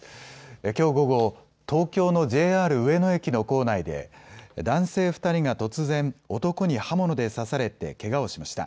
きょう午後、東京のＪＲ上野駅の構内で男性２人が突然、男に刃物で刺されて、けがをしました。